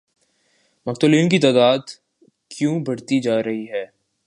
مقتولین کی تعداد کیوں بڑھتی جارہی ہے؟